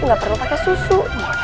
nggak perlu pakai susu